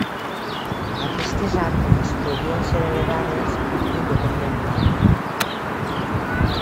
Aquestes armes podien ser elevades independentment.